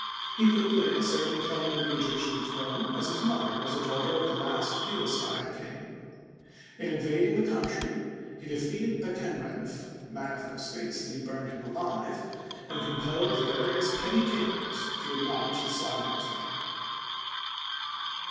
He could lay a certain claim to the Egyptian throne, as his mother was a daughter of the last Bubastide King. Invading the country, he defeated Bekenrenf — Manetho states, that he burned him alive — ^and compelled the various petty kings to acknowledge his sovereignty.